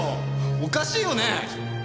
おかしいよね？